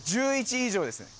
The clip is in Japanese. １１以上ですね。